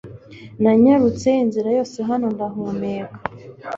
Nanyarutse inzira yose hano ndahumeka.